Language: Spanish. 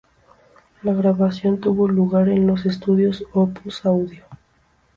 La grabación tuvo lugar en los estudios "Opus Audio".